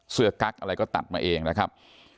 กั๊กอะไรก็ตัดมาเองนะครับ